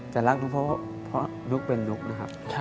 แต่รักนุ๊กเพราะนุ๊กเป็นนุ๊กนะครับ